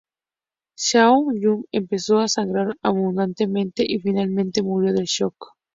Zhao Yun empezó a sangrar abundantemente y finalmente murió del shock.